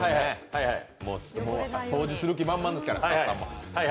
もう掃除する気満々ですから、スタッフさんも。